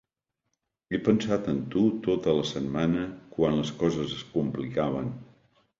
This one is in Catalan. He pensat en tu tota la setmana quan les coses es complicaven.